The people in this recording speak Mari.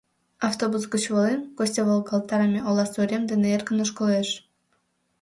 Автобус гыч волен, Костя волгалтарыме оласе урем дене эркын ошкылеш.